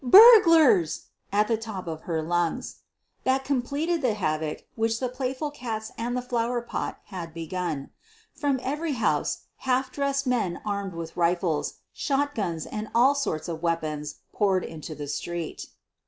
Burglars !" at the top of her lungs. That completed the havoc which the playful oats and the flower pot had begun. From every house half dressed men armed with rifles, shotguns, and all sorts of weapons poured into the street.